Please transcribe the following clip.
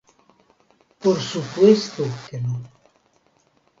Por supuesto, que no.